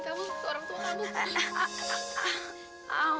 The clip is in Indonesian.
aku gak mau takutkan sekarang aku harus ngantin kamu